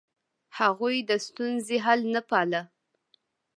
هغوی د ستونزې حل نه پاله.